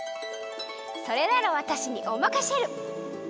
それならわたしにおまかシェル！